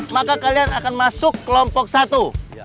maka kalian akan masuk kelompok satu